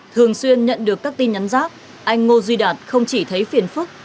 thường xuyên nhận được các tin nhắn rác anh ngô duy đạt không chỉ thấy phiền phức